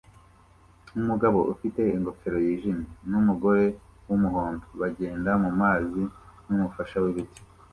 Umugabo ufite ingofero yijimye numugore wumuhondo bagenda mumazi numufasha wibiti